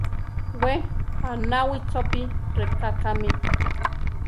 We aʼnawí, chópi rʼeká kámi.